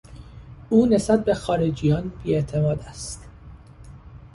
او نسبت به خارجیان بیاعتماد است.